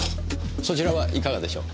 そちらはいかがでしょう？